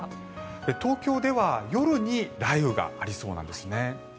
東京では夜に雷雨がありそうなんですね。